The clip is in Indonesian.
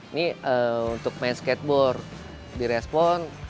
ini untuk main skateboard di respon